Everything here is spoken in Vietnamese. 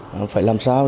nó phải làm sao